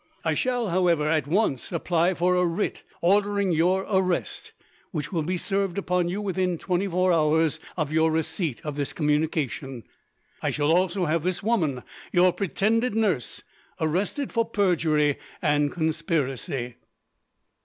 I shall, however, at once apply for a writ ordering your arrest, which will be served upon you within twenty four hours of your receipt of this communication. I shall also have this woman, your pretended nurse, arrested for perjury and conspiracy.